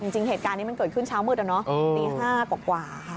จริงเหตุการณ์นี้มันเกิดขึ้นเช้ามืดอะเนาะตี๕กว่าค่ะ